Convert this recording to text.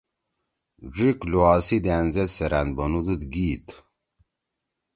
ڙیِک لوا سی دأن زید سیرأن بنُودُود گیت